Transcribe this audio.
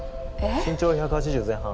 身長は１８０前半